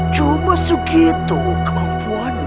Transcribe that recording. cuma segitu kemampuanmu